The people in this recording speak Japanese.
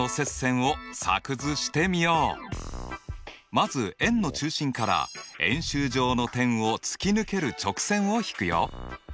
まず円の中心から円周上の点を突き抜ける直線をひくよ。